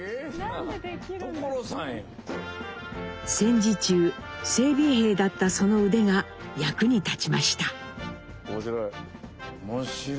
戦時中整備兵だったその腕が役に立ちました。